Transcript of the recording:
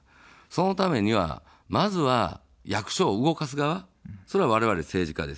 そのためには、まずは役所を動かす側、それはわれわれ政治家ですよ。